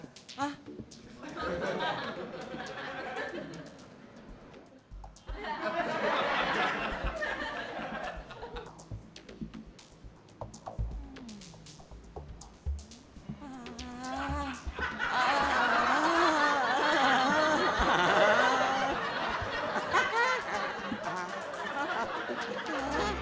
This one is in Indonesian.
gak ada lagi